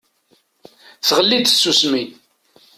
Tɣelli-d tsusmi.